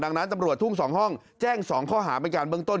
ดังนั้นตำรวจทุ่ง๒ห้องแจ้ง๒ข้อหาเป็นการเบื้องต้น